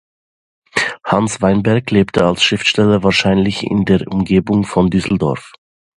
Hanns Weinberg lebte als Schriftsteller wahrscheinlich in der Umgebung von Düsseldorf.